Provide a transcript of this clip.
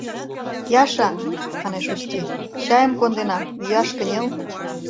Яша!.. — манеш Усти, — чайым конденам, йӱаш кынел.